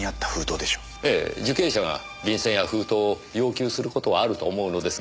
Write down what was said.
ええ受刑者が便箋や封筒を要求することはあると思うのですが。